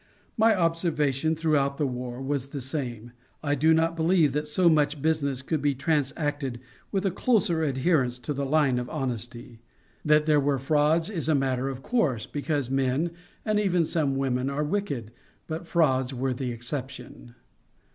My observation throughout the war was the same. I do not believe that so much business could be transacted with a closer adherence to the line of honesty. That there were frauds is a matter of course, because men, and even some women, are wicked, but frauds were the exception.